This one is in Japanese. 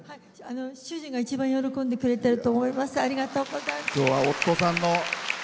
主人が一番喜んでくれてると思います。